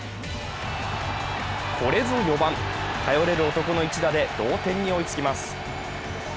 これぞ４番、頼れる男の一打で同点に追いつきます。